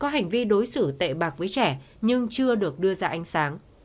có hành vi đối xử tệ bạc với trẻ nhưng chưa được đưa ra ánh sáng